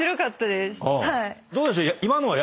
どうでしょう？